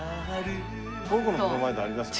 この子のプロマイドありますか？